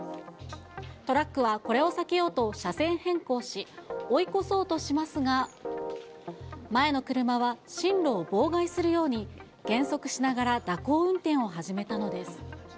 トラックはこれを避けようと車線変更し、追い越そうとしますが、前の車は進路を妨害するように、減速しながら蛇行運転を始めたのです。